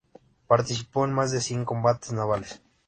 Participó en más de cien combates navales.